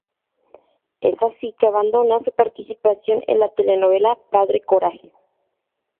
Es así que abandona su participación en la telenovela "Padre Coraje".